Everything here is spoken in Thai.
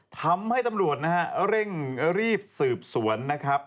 ทำให้ตำรวจนะฮะเร่งรีบสืบสวนนะครับ